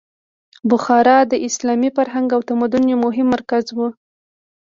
بخارا د اسلامي فرهنګ او تمدن یو مهم مرکز و.